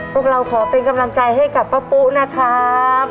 พวกเราขอเป็นกำลังใจให้กับป้าปุ๊นะครับ